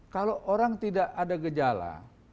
kalau orang tidak ada gejala